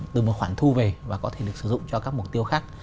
từ một khoản thu về và có thể được sử dụng cho các mục tiêu khác